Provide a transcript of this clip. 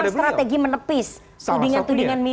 jadi ini memang strategi menepis tudingan tudingan miring